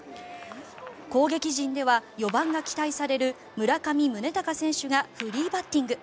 攻撃陣では４番が期待される村上宗隆選手がフリーバッティング。